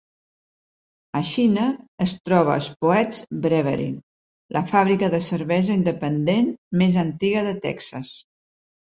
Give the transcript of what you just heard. A Shiner es troba Spoetzl Brewery, la fàbrica de cervesa independent més antiga de Texas.